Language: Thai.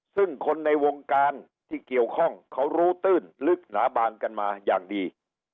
ซึ่งคนในวงการที่เกี่ยวข้องเขารู้ตื้นลึกหนาบางกันมาอย่างดี